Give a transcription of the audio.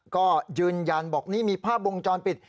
ก็ยืนยันบอกนี่มีภาพวงจรปิด